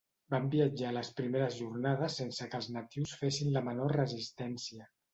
Van viatjar les primeres jornades sense que els natius fessin la menor resistència.